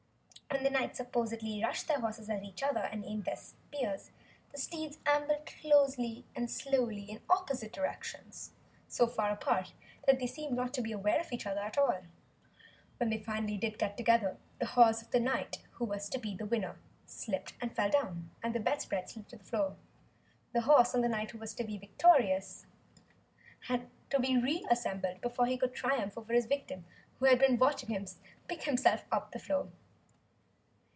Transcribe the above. When the knights supposedly rushed their horses at each other and aimed their spears, the steeds ambled slowly in opposite directions, so far apart that they seemed not to be aware of each other at all. When they did finally get together, the horse of the knight who was to be winner slipped and fell down, and the bedspread slid to the floor. The horse and the knight who was to be victorious had to be re assembled before he could triumph over his victim who had been watching him pick himself up off the floor.